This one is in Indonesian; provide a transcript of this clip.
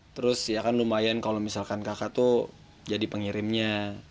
terus ya kan lumayan kalau misalkan kakak tuh jadi pengirimnya